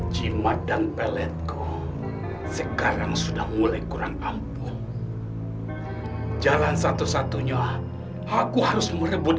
jimat dan peletku sekarang sudah mulai kurang ampuh jalan satu satunya aku harus merebut